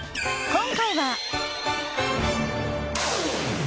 今回は。